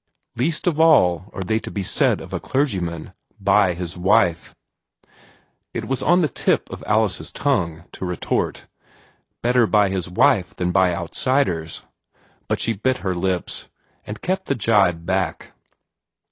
"Least of all are they to be said to a clergyman by his wife." It was on the tip of Alice's tongue to retort, "Better by his wife than by outsiders!" but she bit her lips, and kept the gibe back.